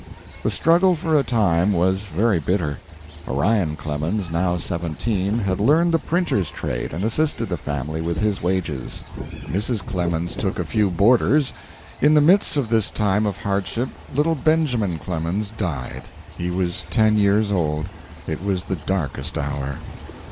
The struggle for a time was very bitter. Orion Clemens, now seventeen, had learned the printer's trade and assisted the family with his wages. Mrs. Clemens took a few boarders. In the midst of this time of hardship little Benjamin Clemens died. He was ten years old. It was the darkest hour.